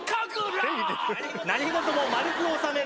何事も丸く収める。